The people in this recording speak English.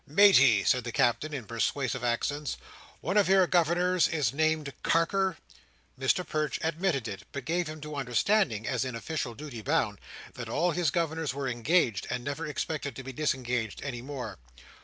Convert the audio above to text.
"Matey," said the Captain, in persuasive accents. "One of your Governors is named Carker." Mr Perch admitted it; but gave him to understand, as in official duty bound, that all his Governors were engaged, and never expected to be disengaged any more.